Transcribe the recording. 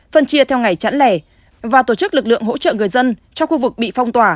phân chia theo ngày chẵn lẻ và tổ chức lực lượng hỗ trợ người dân trong khu vực bị phong tỏa